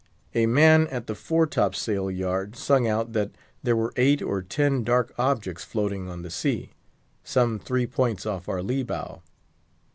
A man at the fore top sail yard sung out that there were eight or ten dark objects floating on the sea, some three points off our lee bow.